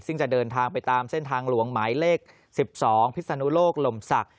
ซึ่งจะเดินทางไปตามเส้นทางหลวงหมายเลข๑๒พิศนุโลกลมศักดิ